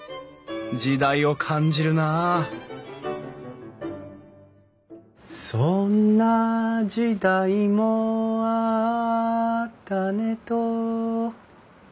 時代を感じるなあ「そんな時代もあったねと」